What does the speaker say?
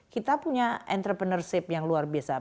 kita punya entrepreneurship yang luar biasa